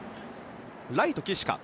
ライト、岸か。